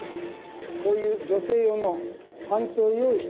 こういう女性用のパンツを用意して。